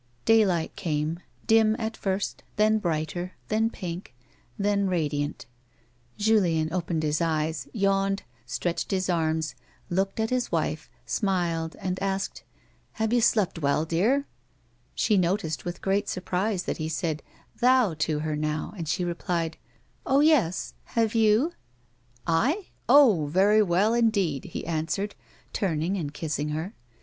Daylight came, dim at first, then brighter, then pink, then radiant. J alien opened his eyes, yawned, stretched his arms, looked at his wife, smiled, and asked :" Have you slept well, dear 1 " She noticed with great surprise that he said " thou " to her now, and she replied :" Oh, yes ; have you 1 " "11 Oh, very well indeed," he answered, turning and kissing her.